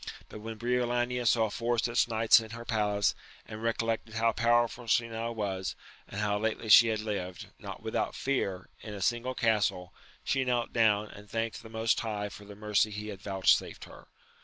But when Briolania saw four such knights in her palace, and recollected how powerful she now was, and how lately she had lived, not without fear, in a single castle, she knelt down, and thanked the Most High for the mercy he had vouchsafed her.